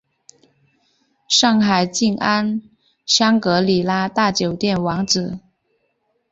上海静安香格里拉大酒店网址